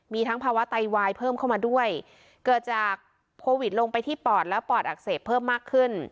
มีทั้งภาวะไตวายเพิ่มเข้ามาด้วยเกิดจากโควิดลงไปที่ปอดและปอดอักเสบเพิ่มมากขึ้น